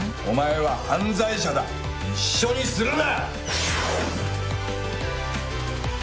お前は犯罪者だ一緒にするな！